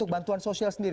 untuk bantuan sosial sendiri